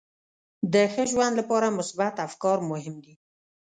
د ښه ژوند لپاره مثبت افکار مهم دي.